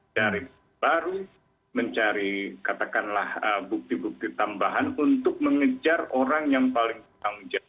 dan baru mencari katakanlah bukti bukti tambahan untuk mengejar orang yang paling